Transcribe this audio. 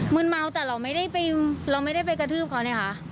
มึงเมาแต่เราไม่ได้ไปกระทืบเขาเนี่ยค่ะ